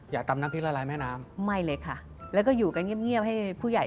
ตำน้ำพริกละลายแม่น้ำไม่เลยค่ะแล้วก็อยู่กันเงียบให้ผู้ใหญ่